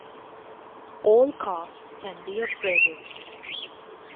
All cars can be upgraded.